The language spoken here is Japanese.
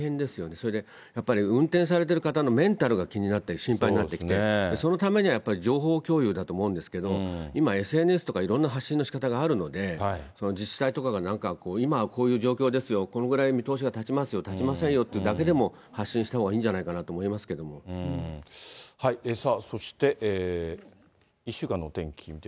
それでやっぱり運転されてる方のメンタルが気になったり、心配になってきて、そのためにはやっぱり情報共有だと思うんですけれども、今、ＳＮＳとかいろんな発信のしかたがあるので、自治体とかがなんか、今、こういう状況ですよ、このぐらい見通しが立ちますよ、立ちませんよというだけでも発信したほうがいいんじゃないかなとさあそして、１週間のお天気